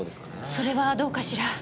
それはどうかしら。